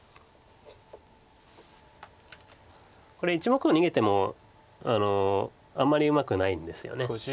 これ１目を逃げてもあんまりうまくないんですよね。